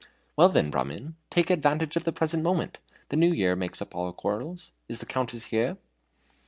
"Well, then, Brahmin, take advantage of the present moment. The New Year makes up all quarrels. Is the Countess here?"